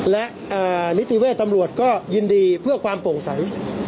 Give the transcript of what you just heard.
และนิติเวทย์ตำรวจก็ยินดีเพื่อความโปร่งใส